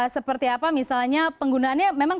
seperti apa misalnya penggunaannya memang